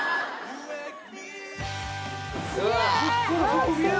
すげえ！